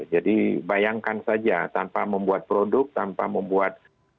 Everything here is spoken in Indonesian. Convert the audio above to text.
jadi bayangkan saja tanpa membuat produk tanpa membuat